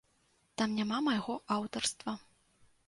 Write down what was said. Там няма майго аўтарства.